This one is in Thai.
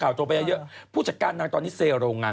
แล้วก็ผู้ชายที่โดนจับด้วยน่าจะเป็นแฟนหรือเปล่า